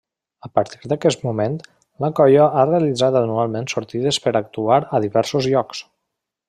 A partir d'aquest moment, la colla ha realitzat anualment sortides per actuar a diversos llocs.